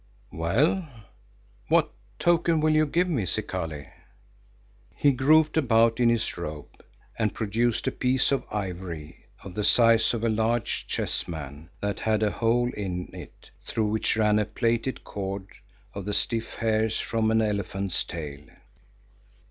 "Well, what token will you give me, Zikali?" He groped about in his robe and produced a piece of ivory of the size of a large chessman, that had a hole in it, through which ran a plaited cord of the stiff hairs from an elephant's tail.